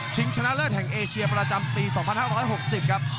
ชนะเลิศแห่งเอเชียประจำปี๒๕๖๐ครับ